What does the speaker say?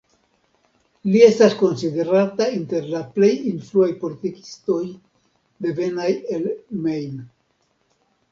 Li estas konsiderata inter la plej influaj politikistoj devenaj el Maine.